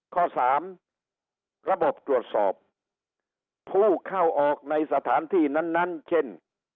ข้อสามระบบตรวจสอบผู้เข้าออกในสถานที่นั้นเช่น